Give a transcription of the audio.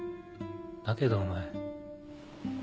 だけどお前。